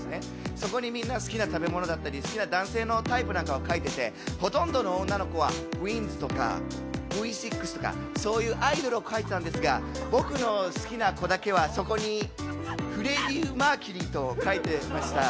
そこにみんな好きな食べ物だったり好きな男性のタイプなんかを書いててほとんどの女の子はｗ−ｉｎｄｓ．とかＶ６とかそういうアイドルを書いてたんですが、僕の好きな子だけはそこにフレディ・マーキュリーと書いてました。